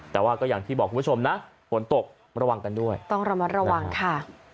แต่ว่าก็อย่างที่บอกคุณผู้ชมนะฝนตกระวังกันด้วยต้องระมัดระวังค่ะ